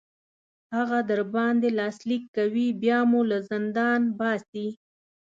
هغه در باندې لاسلیک کوي بیا مو له زندان باسي.